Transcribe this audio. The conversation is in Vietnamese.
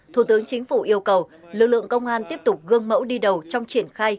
thủ tướng chính phủ yêu cầu lực lượng công an tiếp tục gương mẫu đi đầu trong triển khai